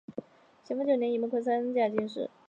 咸丰九年己未科三甲进士。